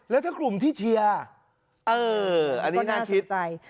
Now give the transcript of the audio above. แล้วถ้ากลุ่มที่เชียร์เอออันนี้น่าคิดใจ